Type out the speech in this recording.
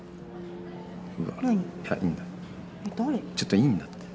ちょっといいんだって。